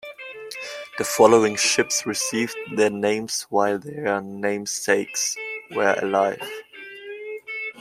The following ships received their names while their namesakes were alive.